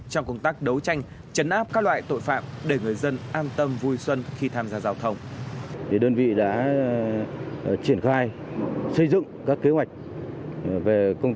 trong công tác đấu tranh chấn áp các loại tội phạm để người dân an tâm vui xuân